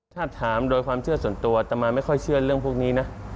ถ้าถามโดยความเชื่อส่วนตัวต่อมาไม่ค่อยเชื่อเรื่องพวกนี้นะ